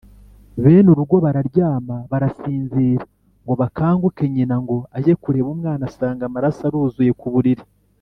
Bene urugo bararyama, barasinzira ngo bakanguke, nyina ngo ajye kureba umwana, asanga amaraso aruzuye ku buriri